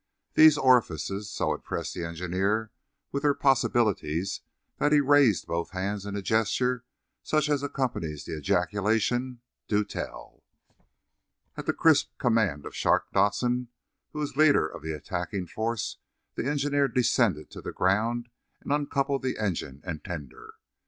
These orifices so impressed the engineer with their possibilities that he raised both hands in a gesture such as accompanies the ejaculation "Do tell!" At the crisp command of Shark Dodson, who was leader of the attacking force the engineer descended to the ground and uncoupled the engine and tender.